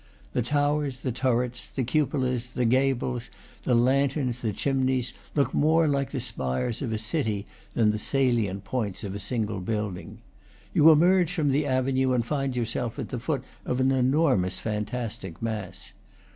The towers, the turrets, the cupolas, the gables, the lanterns, the chimneys, look more like the spires of a city than the salient points of a single building. You emerge from the avenue and find yourself at the foot of an enormous fantastic mass.